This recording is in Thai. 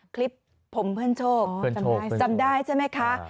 คลิปผมเพื่อนโชคจำได้ใช่ไหมคะ